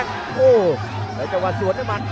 โอ้แล้วจะวาดสวนให้มัน